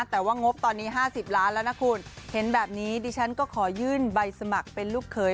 แต่ว่างบตอนนี้๕๐ล้านแล้วนะคุณเห็นแบบนี้ดิฉันก็ขอยื่นใบสมัครเป็นลูกเขย